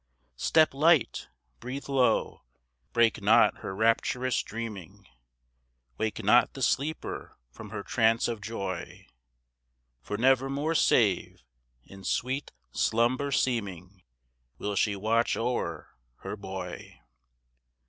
Step light, breathe low, break not her rapturous dreaming, Wake not the sleeper from her trance of joy, For never more save in sweet slumber seeming Will she watch o'er her boy.